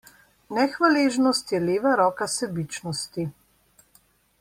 Nehvaležnost je leva roka sebičnosti.